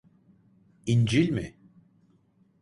İncil mi?